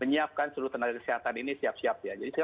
menyiapkan seluruh tenaga kesehatan ini siap siap ya